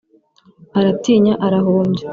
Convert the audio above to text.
Aratinya arahumbya